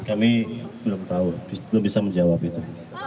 kami belum tahu belum bisa menjawab itu